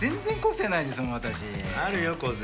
あるよ個性。